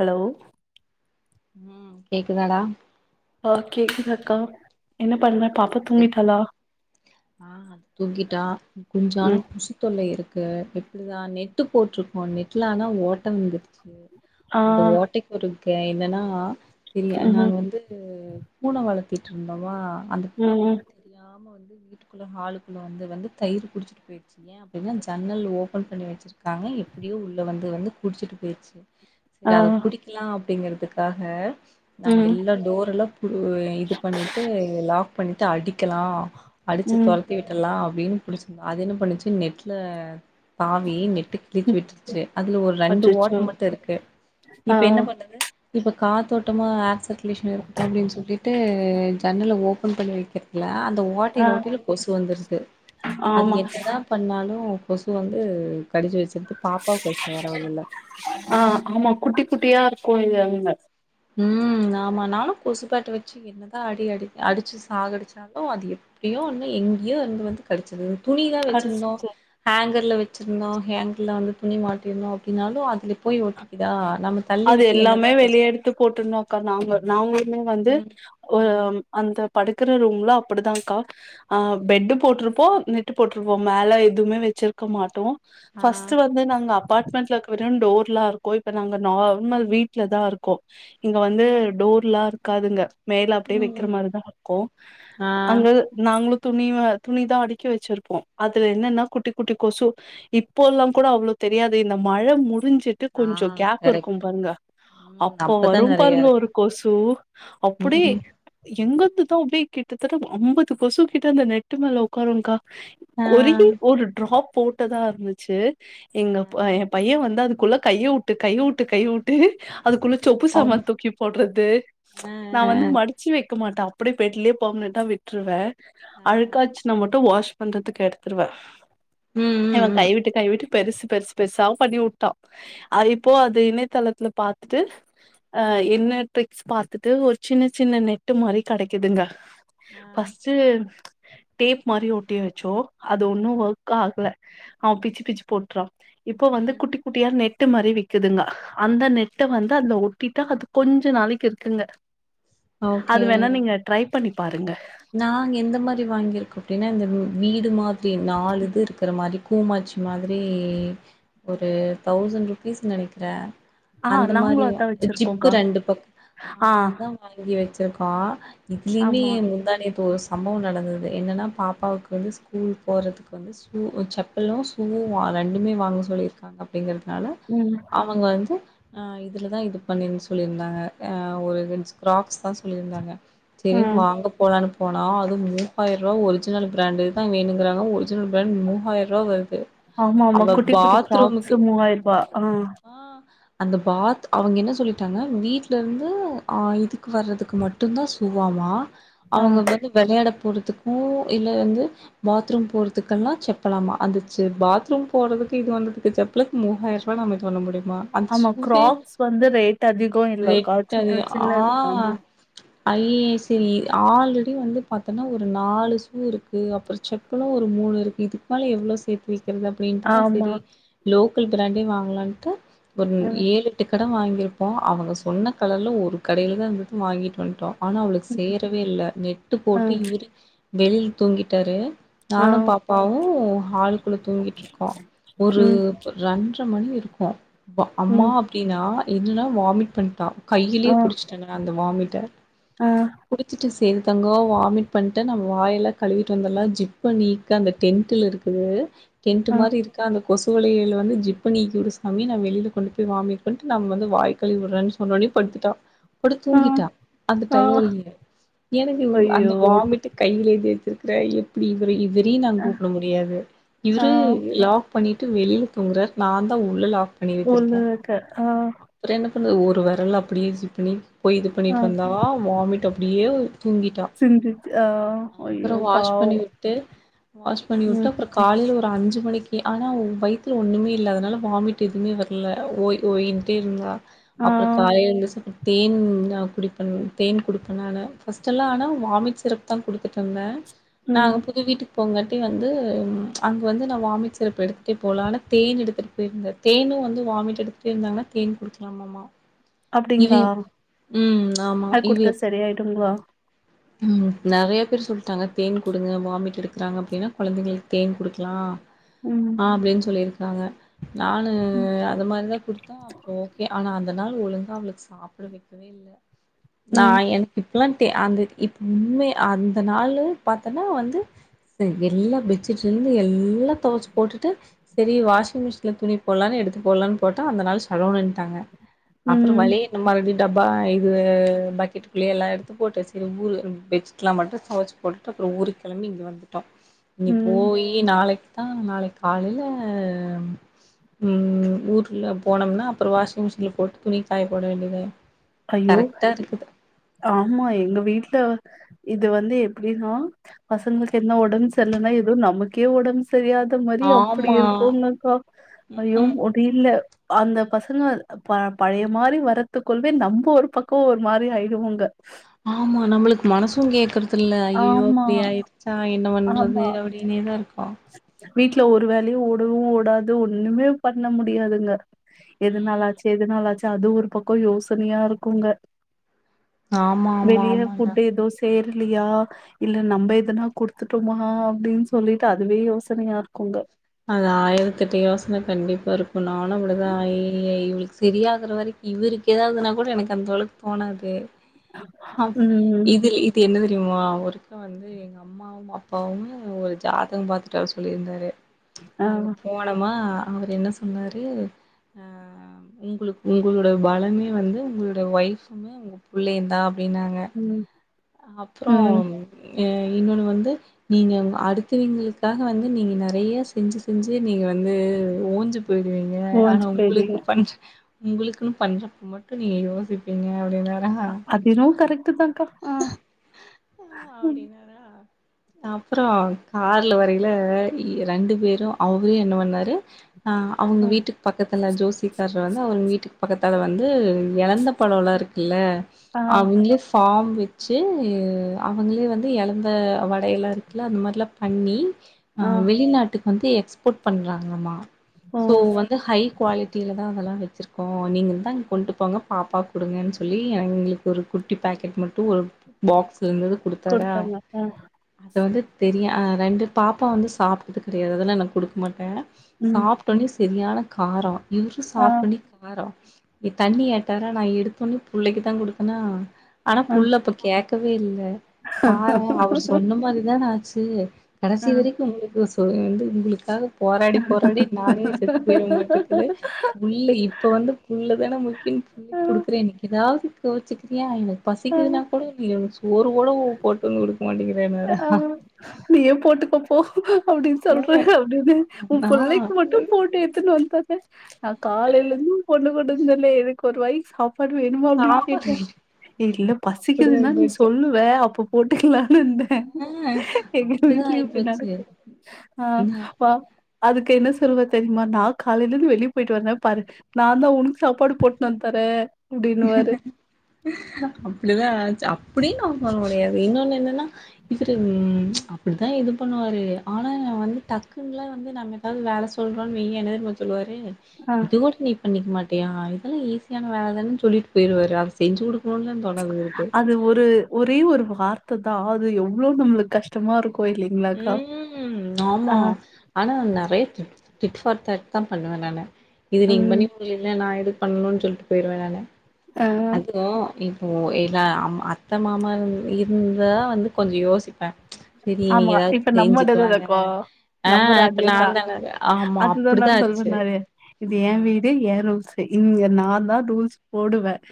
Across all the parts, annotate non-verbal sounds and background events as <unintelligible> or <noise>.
Hello ம் கேக்குதாடா ஆ கேக்குது அக்கா என்ன பண்ற பாப்பா ஓகே தூங்கிட்டாளா ஆ அது தூங்கிட்டா கொஞ்சானா ம் குசி தொல்ல இருக் க்கு எப்டிதா நெட்டு போட்ருக்கோ நெட்ல ஆனா ஓட்ட வந்துடுச்சு ஆ அந்த ஓட்டைக்கு ஒரு கே என்னன்னா தெரிய ம் நாங்க வந்து பூன வளக் திட்டுருந்தமா ம் ம் போனவக்கு தெரியாமா வந் வீட்டுக்குள்ள ஹாலுக்குள்ள வந்து வந்து தயிர் குடிச்சிட்டு பேய்டுச்சு ஏன் அப்டின்னா ஜன்னல் ஓபன் பண்ணி வச்சிருக்காங்க எப்டியோ உள்ள வந்து வந்து குடிச்சிட்டு பேற்ச்சு சரி ஆ அத புடிக்கலா அப்டிங்கறதுக்காக நாங்க ம் எல்லா டோர் எல்லா ப் உ இது பண்ணிட்டு லாக் பண்ணிட்டு அடிக்கலா அடிச்சி ம் தொரத்தி விட்றலா வேணுன் புடிச்சிந்தா அது என்ன பண்ணுச்சு நெட்ல பாவி நெட்டு கிழிச்சு ம் விட்டுருச்சு அதுல ஒரு ரெண்டு அச்சச்சோ ஓட்ட மட்டுருக்கு ஆ இப்ப என்ன பண்ணது இப்ப காத்தோட்டமா ஆக்சட் கிலீஷ்ல இருக்கட்டு அப்டின் சொல்லிட்டு ஜன்னல ஓப் போன் பண்ணி வக்கிறதுல்ல அ அந்த ஆ ஓட்டைல ஓட்டைல கொசு வந்துர்து அது ஆமா என்னதா பண்ணாலு கொசு வந்து கடிச்சு வச்சுருது பாப்பாவுக்கு அது சேறவங்ல்ல டியாருக்கு இல்ல அங்க ம் ஆமா நானு கொசுபேட்ட வெச்சு என்னதா அடி அடி அடிச்சு சாக அடிச்சாலு அது எப்டியோ ஒன்னு எங்கியோ இருந்து வந்து கடிச்சிது துணிதா வெச்சிருந்தோ கடிச்சிச்சு ஹேங்கர் ழ வெச்சிருந்தோ. ஹேங்க்ல வந்து துணி மாட்டிருந்தோ அப்டினாலு அ து போய் ஒட்டிகிதா நம்ம தள்ளி விட்டு என்னதா கொசு க்கா நாங் நாங்ளு ன்னு வந்து ம் ஓ ம் அந்த படுக்கிற ரூம்ல அப்படிதாக்கா ஆ பெட்டு் போட்டிருப்போ நெட்டு போட்ருப்போ மேல எதுமே வேச்சிருக்க மாட்டோ ஆ ஃபர்ஸ்ட் வந்து நாங்க அப் அப்பார்ட்மெண்ட்ல இக்குர வர டோர் இல்ல அங்க போய்இப்ப நாங்க நார்மல் வீட்ல தா இருக்கோம் இங்க வந்து டோர்லா இருக்காதுங்க மேல அப்டியே வக்கிற ம். மாரிதா இருக்கு ஆ அங்க நாங்ளு துணி துணிதா அடிக்கி வச்சிருப்போ அதுல என்னனா குட்டி குட்டி கொசு இப்போலா கூட அவ்ளோ தெரியாது இந்த மழ முடிஞ்சு ஆ கொஞ்சோ கேப் இருக்கும் கரெக்ட் பாருங்க ம் அப்ப அப்பதா வரும் நெறைய பாருங்க இருக்கு ஒரு கொசு ம் அப்டி ம் எங்க த அப்டி ஒரு அம்பது கொசு கிட்ட அந்த நெட்டு மேல உட்காருங்கா ஆ ஒரே ஒரு டிராப் போட்டதா இருந்துச்சு ஆ எங்க பையன் வந்து த அதுக்குள்ள கைய உட்டு கைய உட்டு கைய ட்டு அதுக்குள்ள சொப்பு சாமா ஆம் தூக்கி போட்றது ஆ நா வந்து ஆ மடிச்சி வைக்க மாட்டா அப்டியே பெட்லயே பர்மனட்டா விட்ருவ ஆ அழுக்காச்சுநா மட்டு வாஷ் பண்றதுக்கு எடுத்துருவே ம் இவ ம் கை ம் விட்டு கை விட்டு பெருசு பெருசு பெருசாவும் பண்ணிவுட்டா அ இப்போ அது இணைதளத்துல பாத்துட்டு அ என்ன ட்ரிக்ஸ் பாத்துட்டு ஒரு சின்ன சின்ன <unintelligible> நெட்டு மாரி கிடக்குதுங்க ஆ ஃபஸ்ட்டு டேப் மாறி ஒட்டியாச்சோ அது ஒன்னும் ஒர்க் ஆகல ஆ பிச்சி பிச்சி போட்றா இப்போ வந்து ம் குட்டிக் நெட்டு மாரி விக்குதுங்க அந்த நெட்ட வந்து அதுல ஒட்டிட்டு அது கொஞ்ச நாளக்கி இருக்குங்க அது வேணா நீங்க ட்ரை பண்ணிப் பாருங்க நாங் எந்த மாரி வாங்கியிருக்கோ அப்டினா இந்த வீடு மார் நாலு பேர் இருக்குற மாரி கூமாட்சி மாதிரி ஒரு தௌசண்ட் ருபீஸ் நினக்கிறேன் ஆ அந்த நாங்களு மாரி அதா ஜிப்பு வச்சிருக்கோக்கா ரெண்டு பக்க ஆ அதுதா வாங்கி வை சருகோ இதிலிமே ஆமா முந்தாணி இப்ப ஒரு சம்பவம் நடந்தது என்னன்னா பாப்பாவுக்கு வந்து ஸ்கூல் போறதுக்கு வந்து ஷூ செப்பலும் சுவு வா ரெண்டுமே வாங்க சொல்லிருக்காங்க அப்படிங்கறது னால ம் அவுங்க வந்து ஆ இதுல தா இது பண்ணிருனு சொல்லியிருந்தாங்க ஆ ஒரு கன்ஸ் கிராக்ஸ் தா சொல்லியிருந்தாங்க செரினு ம் வாங்க தானு போனா அது மூவாயிரூவா ஒரிஜினல் பிராண்டே தா வேணுங்கிறாங்க ஒரிஜினல் பிராண்ட் மூவாயிரூவா வரு ஆமா ஆமா குட்டி குட்டி கிராப்ஸு மூவாயிர ரூபாய ஆ அந்த பாத் அவங்க என்ன சொல்லிட்டாங்க வீட்ல இருந்து ஆ இதுக்கு வறதுக்கு மட்டு தா ஷூவாமா ஆ அவங்க வந்து விளையாட போடத்துக்கு இல்ல வந்து பாத்ரூம் போறதுக்கெல்லா செப்பலாமா அந்தச்ச பாத்ரூம் போகிறதுக்கு இது வந்ததுக்கு செப்பலக்கு மூவாயிரூவா நம்ம இது பண்ண முடியும் ஆமா கிராப்ஸ் வந்து ரேட் அதிகம் இல்ல ரேட் அதிக காச்சச்சல ஆ ஆமா I A S C already வந்து பா அப்பன்னா ஒரு நாலு ஷூ இருக்கு அப்புறோ செப்பலு ஒரு மூணு இருக்கு இதுக்கு மேல எவ்ளோ சேத்து வைக் இல்ல அப்படின்ட்டுதா ஆமா செரி லோ கள் பிராண்டே வாங்கலான்ட்டு ஒருன் ம் ஏலெட்டுக்கு கடன் வாங்கியிருப்போம் அவங்க சொன்ன கலர்ல ஒரு கடையில் தா இருந்து வாங்கிட்டு வந்துட்டோ ஆனா அவளுக்கு செயர் லவே இல்ல நெட்டு ஆ போட்டு இவரு வெளியில் தூங்கிட்டாரு ஆ நானு பாப்பாவு ஹால் குள்ள தூங்கிட்டு இருக்கோ ஒரு ம் ரன் ட்ற மணி இருக்கும் ப்பா அம்மா ம் அப்படின்னா எல்லா வாமிட் பண்ட்டா கையிலயே புடிச்சுட்ட நா அந்த வாமிட் டா அ குடிச்சிட்டு சேரி தங்கோ வாமிட் பண்ட்ட நம்ம வாயெல்லா‌ கழுவிட்டு வந்தட்லா ஜிப் நீக்க அந்த டெண்த்ல இருக்குது டெண்ட் ஆ மாரி இருக்கா அந்த கொசு சூளையல வந்து ஜிப்ப நீக்கி ஒரு சாமி நா வெளில கொண்டு போய் வாமிட் பண்ணிட்டு நம்ம வந்து வாய்க்கழுவி விடுறனு சொன்னோனே படுத்துட்டா படுத் ஆ தூங்கிட்டா அந்த ஆ டயர்லயே எனக்கு அந்த ஐயோ வாமிட்டு் கையிலே வச்சிருக்கிற எப்டி இவரு இவறயு நா அ கூப்ட முடியாது ஆ இவரு லாக் பண்ணிட்டு வெளில தூங்குறார் நான்தா உள்ள லாக் பண்ணி வச்சிருக்கே ஊர்லதா இக்க ஆ அப்றோ என்ன ஒரு வெரல அப்டியே சிப் பண்ணி போய் இது ஆ பண்ணிட்டு வந்தா வாமிட்டு அப்டியே தூங்கிட்டா சிந்திச்சு ஆ ஐயோ அப்பறோ வாஷ் பாவோ பண்ணி விட்டு வாஷ் பண்ணி வுட்டு ம் அப்பறோ காலைல ஒரு அஞ்சு மணிக்கு ஆனா வய்த்துல ஒண்ணுமே இல்லாதனால வாமிட் எதுமே வர்ல ஓய் ஓய்ன் ட்டே இருந்தா ஆ அப்ற காலைல எந்திரிச்சி தேன் நா குடிப்ப தேன் குடுப்ப நானு ஃபர்ஸ்ட்டெல்லா ஆனா வாமிட் சிரப்தா குடுத்துட்ருந்த ம் நாங்க புது வீட்டுக்கு போங்காட்டி வந்து அங்க வந்து நா வாமிட் சிரப் எடுத்துட்டே போல ஆனா தேன் எடுத்துட்டு போயிருந்த தேனு வந்து வாமிட் எடுத்துட்டே இருந்தாங்னா தேன் குடுக்லாமாமா அப்டிங்ளா ஆமா அது இவ குடுத்தா சரி ஆயிடுங்ளா ம் நெறையா பேர் சொல்ட்டாங்க தேன் குடுங்க வாமிட் எடுக்கறாங்க அப்டின்னா கொழந்தைங்களுக்கு தேன் குடுக்லா ம் அப்டின் சொல்லிருக் காங்க நானு ம் அது மாரிதா குடுத்தா அப்ற ஓகே ஆனா அந்த நாள் ஒழுங்கா அவளுக்கு சாப்ட வெக்கவே இல்ல நா ம் எனக்கு இப் ல்லா தே அந்த இது உண்மய அந்த நாளு பாத்தனா வந்து எல்லா பெட்சீட்லந்து எல்லா தொவச்சு போட்டுட்டு செரி வாஷிங் மிஷின்ல துணி போடலான்னு எடுத்து போடலான்னு போட்டா அந்த நாள் ஷடவுனுன்ட்டாங்க அப்றோ ம் வழியென்ன மறுடி டப்பா இது பக்கெட்டுக்குள்ளயே எல்லா எடுத்து போட்டு வெச் ஊறு பெட்சீட்லா மட்டு தொவச்சு போட்டுட்டு அப்றோ ஊருக்கு கெளம்பி இங்க வந்துட்டோ இனி ம் போயி நாளைக் குத்தா நாளைக் காலைல ம் ஊர்ல போனம்னா அப்பற வாஷிங் மிஷின்ல போட்டு துணிய காய போட வேண்டிதே ஐயோ ஆமா எங்க வீட்ல இது வந்து எப்டின்னா பசங்களுக்கு என்ன ஒடம் செர்லனா எதோ நமக்கே ஒடம்பு தெரியாத மாரி அப்படி ஆமா இருக்குங்கக்கா ஐயோ ம்ஹூம் முடில அந்த பசங்க ப பழைய மாரி வரத்துக்குள் ள நம்ப ஒரு பக்க ஒரு மாரி ஆய்டுவோங்க ஆமா நம்மளுக் மனசு கேக்குறதில்ல ஐயய்யோ ஆமா இப்படி ஆயிருச்சா என்ன வண்றது ஆமா அப்டினேதா இருக் <unintelligible> வீட்ல ஒரு வேலையு ஓடவு ஓடாது ஒண்ணுமே பண்ண முடியாதுங்க ம் எதுனாலாச்சு எதுனாலாச்சு அது ஒரு பக்கோ யோசனையா ருக்குங்க ஆமா ஆமா வெலிய ஆமாண்டா ஃபுட் ஏதோ சே இல்லையா இல்ல நம்ப எதனா குடுத்துட்டோமா அப்டின்னு சொல்லிட் அதுவே யோசனையா இருக்குங்க அது ஆயரத்தேட்டு யோசன கண்டிப்பா ருக்கு நானு அப்டிதா ஆயி இவளுக்கு சரியாகுற வரைக்கு இவருக்கு ஏதாவதுன்னா கூட எனக்கு அந்த அளவுக்கு தோணாது ஆ ம் இதுல இது என்ன இம்மா வரைக்கு வந்து எங்க அம்மாவும் அப்பாவுமே ஒரு ஜதகம் பாத்துட்டு வர சொல்லிருந்தாரு ஆ அங்க போனமா அவரு என்ன சொன்னாரு ஆ உங்களுக்கு உங்கொலோட பலமே வந்து உங்களுடைய ஒய்ஃபுமே உங்க புள்ளையுந்தா அப்பிடி நாங்க ம் அப்புரோ ம் அ இன்னொன்னு வந்து நீங்க அடுத்துவிங்களுக்காக வந்து நீங்க நறைய செஞ்சு செஞ்சு நீங்க வந்து ஓஞ்சு போயிடுவீங்க ஆனா ஓஞ்சு போய்டுவீங்க உங்குலுக்கு பண் உங்குளுக்குன்னு பண்றப்ப மட்டு நீங்க யோசிப்பீங்க அப்படினா அதென்னவோ கரக்ட்டு தான்க்கா ஆ ம் அப்படின்னாரா அப்ரோ கார்ல வரையில ரெண்டு பேரு அவுரு என்ன பண்ணாரு ஆ அவங்க ம் வீட்டுக்கு பக்கத்துல ஜோஸ் ஸ்வீட்க்கார்ரு வந்து அவங் வீட்டுக்கு பக்கத்தால வந்து எலந்த பழோல இருக்குல்ல ஆ அவங்களே ஃபாம் வச்சி அவங்களே வந்து யெலந்த வடையெல்லா இருக்குல்ல அந்த மாரில்லா பண்ணி ஆ வெளிநாட்டுக்கு வந்து எக்ஸ்போர்ட் பண்ராங்கலாம்மா ஓ சோ வந்து ஹைக் குவாலிட்டியில தா அதெல்லா வெச்சுருக்கோ நீங்க தா அங்க கொண்டு போங்க பாப்பாவுக்கு குடுங்கன்னு சொல்லி என் எங்களுக்கு ஒரு குட்டி பேக்கெட் மட்டு ஒரு பாக்ஸ் இருந்தது கொடுத்தாரா குடுத்தாங்க ஆ அத வந்து தெரியா ஆ ரெண்டு பாப்பா வந்து சாப்பிட்டது கெடையாது அதெல்லா நா குடுக்க மாட்டே ம் சாப்புட்டோனே செரியான காரோ இவுரு ஆ சாப்பிட்டோனே காரோ நீ தண்ணி ஏட்டாரா நா எடுத்தோன்னே பிள்ளைக்கு தா குடுத்தனா ஆனா ஆ புள்ள ப கேக்கவே இல்ல பாரே அவரு சொன்ன மாரிதா நா ச்சி ஆ கடைசி வரைக்கு நூறு கோஸ் ம் வந்து உங்களுக்காக போராடி போராடி நானே செத்து போயிடுமாட்டிருக்குது புள்ள இப்ப வந்து புள்ள தானே முக்கியன்னு சொல்லி ஆ குடுக்குறேன் எனக்கெதாவது கோச்சிக்கிறியா இல்ல பசிக்குதுனா இல்ல சோறு கூட போட்டு வந்து கொடுக்க மாட்டேங் ஆ நீயே போட்டுக்கோப் போ அப்டின்னு ஆ சொல்றாரு அப்டின்னு ஒ நா புள்ளைக்கு மட்டு போட்டு எடுத்துன்னு வன்ட்டார் நா காலையிலருந்து ஒ பொண்ணுக்கூட இல்லல்ல எனக்கு ஒருவாய் சாப் ப்பாடு வேணுமா அப்டின்னு சாப்பாடு கேட்டே இல்ல அப்டிதா பசிக்குதுன்னா நீ ஆயிப்போச்சு சொல்லுவ அப்ப போட்டுக்கலான்னு ஆ எங்க அப்டிதா வீட்லயும் அப்டி ஆயிப்போச்சு நடக்கு ஆ வா அதுக்கு என்ன சொல்லுவா தெரியுமா நா காலைலந்து வெளியே போயிட்டு வந்தே பாரு நா தா ஒனக்கு சாப்பாடு போட்டுன்னு வந்துதரே அப்டிதா ஆச்சி அப் அப்டின்னு அவுங்களோடய இன்னொன்னு என்னன்னா <unintelligible> இப்டி தா இது பண்ணுவாரு ஆனா வந்து டக்குன்லா வந்து நம்ம என்னைக்காவது வேல சொல்றோன்னு வைய என்ன தெரியுமா சொல்லுவாரு ஆ இது கூட நீ பண்ணிக்க மாட்ட ட்டியா இதெல்லா ஈஸியான வேல தானன்னு சொல்லிட்டு போயிடுவாரு அத செஞ்சு கொடுக் அது ஒரு ஒரே ஒரு வார் த்த தா அது எவ்ளோ நம்மளுக்கு கஷ்டமாருக் ம் ஆ ஆமா ஆனா நெறைய <unintelligible> ஃபார் தட் தா பண்ணுவே நானு இது நீங்க ம் பண்ணிக்குடுக்கல்லைங்க நா எடுத் பண்ணணுன்னு சொல்ட்டு போயிருவே நானு ஆ அது இ ப்போ இல்ல அம் அத்த மாமா இரு இருந்தா வந்து கொஞ்சோ யோசிப்ப செரி நீ ஆமா. இப்ப நம்ம இடல இருக்கோ நம்ம இப்ப ராஜய நா தான் தானே ஆமா அதுதான் அப்டிதா நான் ஆச்சு சொல்லனாரு இது என் வீடு என் ரூல்ஸ் இங்க நான் தான் ரூல்ஸ் போடுவேன்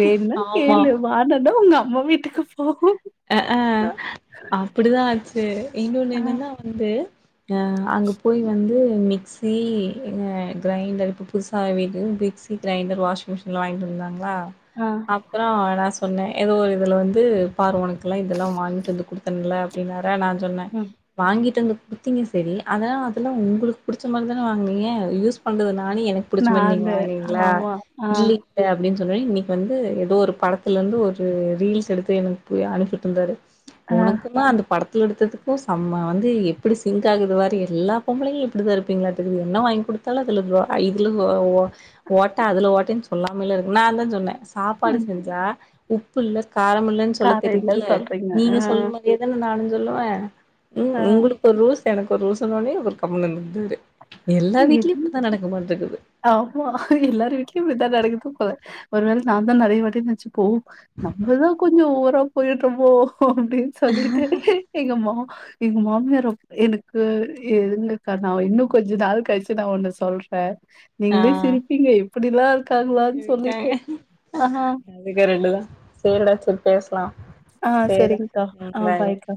வேணனா ஆமா கேளு வானட உங்க ஆமாம எத்துக்கு போகக்கு அஹ அஹ் அப்படிதான் ச என்ங்கொன்னு ஆ, என்னன்னா வந்து அங்க போய் வந்து மிக்ஸ் கி கிரைண்டர் இப்போ புதுசாக வீட்டு மிக்சி கிரைண்டர் வாஷிங் மிஷினில் வாங்கிட்டு இருந்தாங்களா ஆ, அப்புறம் சொன்னேன் ஏதோ ஒரு இதில் வந்து பார்வனுக்கு அதெல்லாம் வாங்கிட்டு வந்து கொடுத்தன்ல அடினா நான் சொன்னேன் ம். வாங்கிட்டு வந்து கொடுத்தீங்க சரி அதெல்லாம் அதெல்லாம் உங்களுக்கு பிடிச்ச மாதிரி தானே வாங்கினீங்க யூஸ் பண்றதுத எனக்கு ப புடிச்ச மாதிரி நானு. நீங்க ஆமா. ஆ, இல்ல அப்படின்னு சொன்னி இன்னைக்கு வந்து ஏதோ ஒரு படத்த இருந்து ஒரு ரீல்ஸ் எடுத்து எனக்குய் அனுப்பி இருக்கு தார் ஆ, உனக்குல்லான் அந்த படத்தை எடுத்ததுக்கும்ம்ம வந்து எப்படி சிங்க் ஆகுதுவா எல்லா பொம்பளைகளும் இப்படிதான் இரு ங்களத்துக்கு என்ன வாங்க கொடுத்தத்து துல இதுல ஓட்ட அதுல ஓட்டேன்னு சொல்லாமல்ல இருக்கு நான் தான் சொன்னேன் சாப்பாடு ம். செஞ்சா உப்புள்ள காரமுில்லன்னு சொல்ல காலைல தெரியுது சொல்றீங்க. நீங்க ஆ, சொல்றதே தானா நானு நானும் சொல்லுவே உம் உங்களுக்கு ரூஸ் எனக்கு ஒரு ரூ சொன்னவுன்னே அவரு கம்னு இறுந்துருவாரு எல்லா ஆ. வீட்லயும் இப்படிதான் நடக்க மாட்ருக்குது ஆமா எல்லாரு வீட்டுலயும் இப்படிதான் நடக்குது போல ஒரு வேல நான் தான் நிறைய வாட்டி வச்சு போவோம் நம்மதான் கொஞ்சம் ஓவரா போய்ட்ரும் போ போ அப்டின்னு சொல்லிட்டு எங்கம்மா எங்க மாமியார் ரொம் எனக்கு எங்கக்கா நா இன்னு கொஞ்ச நாள் கழிச்சு நா ஒன்னு சொல்ற ஆ நீங்களே சிரிப்பிக்க இப் அப்டிலா இல் இருக்காங்க அதுக ரெண்டுதா சேரிடா சேர் ஆ செரிங்கக்கா ம் ஆ பாய் பாய் ஃபாய்க்கா